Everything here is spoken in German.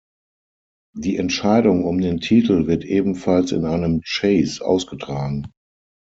Die Entscheidung um den Titel wird ebenfalls in einem Chase ausgetragen.